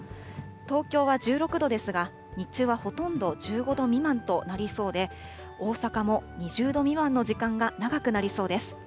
東京は１６度ですが、日中はほとんど１５度未満となりそうで、大阪も２０度未満の時間が長くなりそうです。